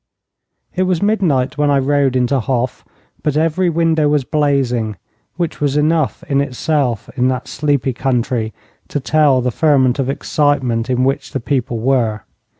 It was midnight when I rode into Hof, but every window was blazing, which was enough it itself, in that sleepy country, to tell the ferment of excitement in which the people were.